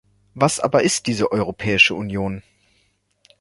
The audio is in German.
Was aber ist diese Europäische Union?